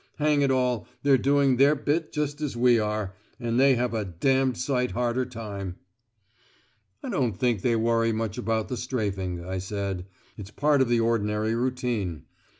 Hang it all, they're doing their bit same as we are, and they have a d d sight harder time." "I don't think they worry much about the strafing," I said. "It's part of the ordinary routine.